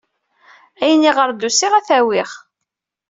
Ayen iɣer d-usiɣ, ad t-awiɣ.